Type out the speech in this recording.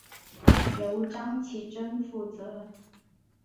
由张启珍负责。